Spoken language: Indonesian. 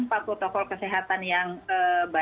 tetapi kalau tanpa protokol kesehatan kita tidak bisa berjalan